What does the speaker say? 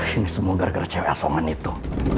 ini semua gara gara cewek asongan itu